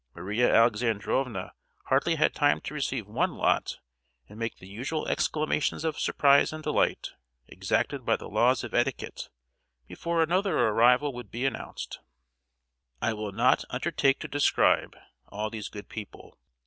Maria Alexandrovna hardly had time to receive one lot and make the usual exclamations of surprise and delight exacted by the laws of etiquette before another arrival would be announced. I will not undertake to describe all these good people.